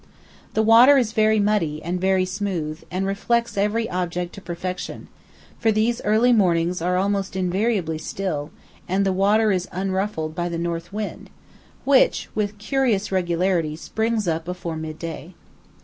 The water is very muddy and very smooth, and reflects every object to perfection; for these early mornings are almost invariably still, and the water is unruffled by the north wind, which, with curious regularity, springs up before midday.